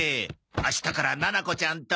明日からななこちゃんと。